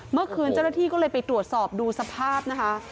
เมื่อคืนเจ้าหน้าที่ก็เลยไปตรวจสอบดูสภาพนะคะ